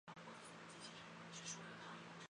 王诏为大学士曹鼐女婿。